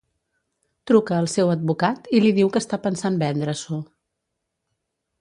Truca al seu advocat i li diu que està pensant vendre-s'ho.